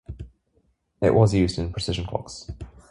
It was used in precision clocks.